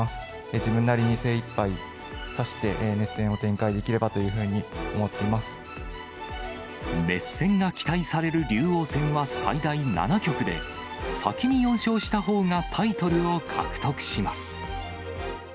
自分なりに精いっぱい指して、熱戦を展開できればというふうに熱戦が期待される竜王戦は、最大７局で、先に４勝したほうがタイトルを獲得します。